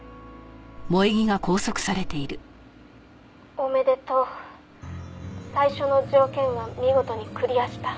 「おめでとう最初の条件は見事にクリアした」